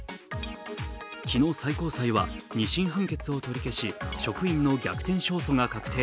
昨日、最高裁は２審判決を取り消し、職員の逆転勝訴が確定。